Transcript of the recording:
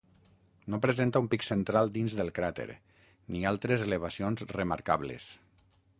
No presenta un pic central dins del cràter, ni altres elevacions remarcables.